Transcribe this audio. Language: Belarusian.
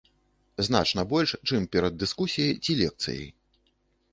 Значна больш, чым перад дыскусіяй ці лекцыяй.